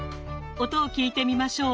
音を聞いてみましょう。